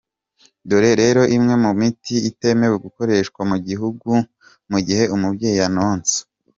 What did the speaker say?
Dore rero imwe mu miti itemewe gukoreshwa mu gihe umubyeyi anonsa.